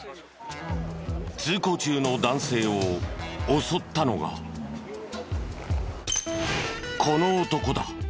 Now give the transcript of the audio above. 通行中の男性を襲ったのがこの男だ。